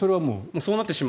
そうなってしまう。